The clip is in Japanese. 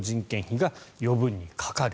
延長分の人件費が余分にかかる。